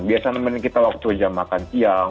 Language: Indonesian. biasa nemenin kita waktu jam makan siang